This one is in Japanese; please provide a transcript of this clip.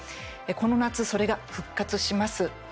この夏、それが復活します。